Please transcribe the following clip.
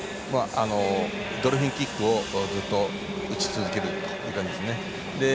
ドルフィンキックをずっと打ち続けるという感じです。